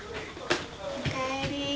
おかえり。